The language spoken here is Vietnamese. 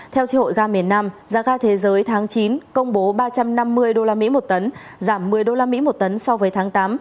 theo chỉ hội ga miền nam giá ga thế giới tháng chín công bố ba trăm năm mươi đô la mỹ một tấn giảm một mươi đô la mỹ một tấn so với tháng tám